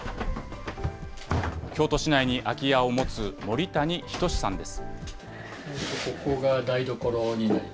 京都市内に空き家を持つ森谷均さんです。